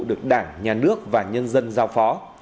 được đảng nhà nước và nhân dân giao phó